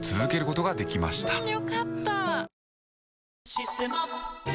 「システマ」